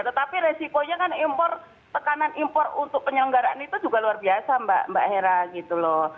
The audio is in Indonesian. tetapi resikonya kan impor tekanan impor untuk penyelenggaraan itu juga luar biasa mbak hera gitu loh